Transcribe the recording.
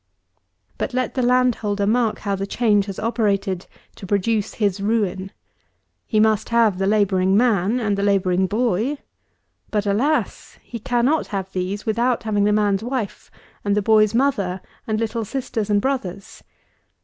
But let the landholder mark how the change has operated to produce his ruin. He must have the labouring MAN and the labouring BOY; but, alas! he cannot have these, without having the man's wife, and the boy's mother, and little sisters and brothers.